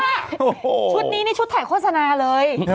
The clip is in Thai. ชุดนี้นี่ชุดแถะโฆษณาเลย